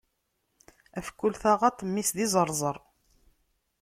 Ɣef kul taɣaṭ, mmi-s d izeṛzeṛ.